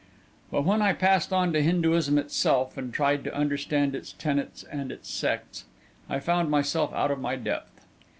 But when I passed on to Hinduism itself, and tried to understand its tenets and its sects, I soon found myself out of my depth.